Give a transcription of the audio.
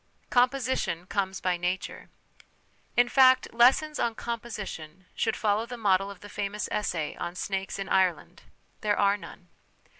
'Composition' comes by Nature. In fact, lessons on 'composition' should follow the model of that famous essay on " Snakes in Ireland "" There are none."